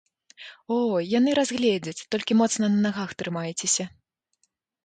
О, яны разгледзяць, толькі моцна на нагах трымайцеся.